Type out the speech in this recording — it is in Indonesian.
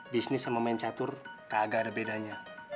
bisnis sama main catul tak ada bedanya